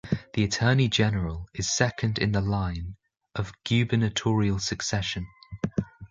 The Attorney General is second in the line of gubernatorial succession.